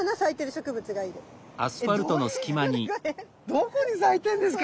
どこに咲いてんですか？